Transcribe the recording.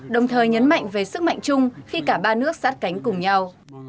đồng thời nhấn mạnh về sức mạnh chung khi cả ba nước sát cánh cùng nhau